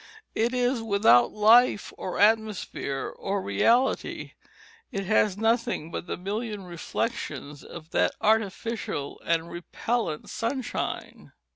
It is without life, or atmosphere, or reality; it has nothing but the million reflections of that artificial and repellent sunshine.